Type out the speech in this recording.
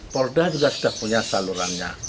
polda juga sudah punya salurannya